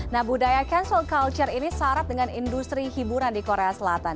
nah budaya cancel culture ini syarat dengan industri hiburan di korea selatan